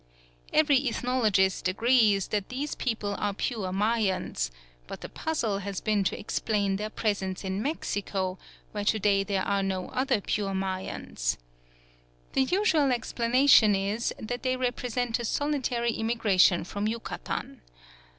Every ethnologist agrees that these people are pure Mayans; but the puzzle has been to explain their presence in Mexico, where to day there are no other pure Mayans. The usual explanation is that they represent a solitary migration from Yucatan.